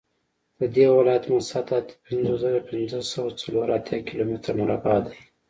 د دې ولایت مساحت اته پنځوس زره پنځه سوه څلور اتیا کیلومتره مربع دی